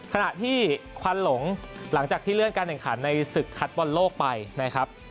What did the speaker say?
ขณะที่ควันหลงหลังจากที่เลื่อนการแข่งขันในศึกคัดบอลโลกไปนะครับ